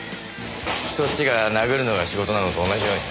そっちが殴るのが仕事なのと同じようにな。